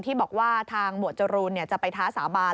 ที่บอกว่าทางหมวดจรูนจะไปท้าสาบาน